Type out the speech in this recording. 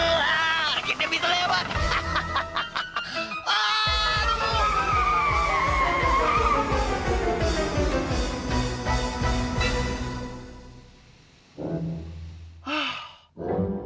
tunggu halo di bawah